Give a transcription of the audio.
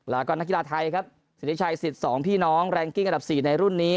แล้วก็นักกีฬาไทยครับสิทธิชัยสิทธิ์๒พี่น้องแรงกิ้งอันดับ๔ในรุ่นนี้